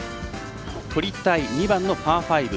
とりたい２番のパー５。